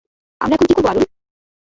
আমরা এখন কি করব আরুল?